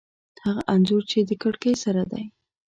هغه انځور چې د کړکۍ سره دی